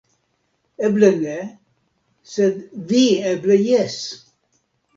Eble ne, sed vi eble jes".